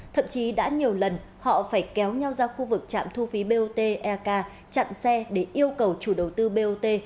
thậm chí đã nhiều lần họ phải kéo nhau ra khu vực trạm thu phí bot eak chặn xe để yêu cầu chủ đầu tư bot